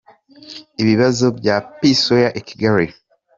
Ibibazo bya P Sqaure i Kigali.